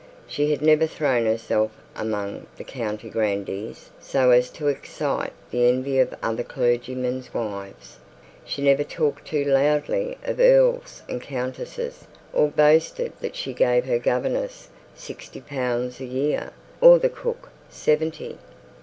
She had never thrown herself among the county grandees so as to excite the envy of other clergymen's wives. She had never talked too loudly of earls and countesses, or boasted that she gave her governess sixty pounds a year, or her cook seventy.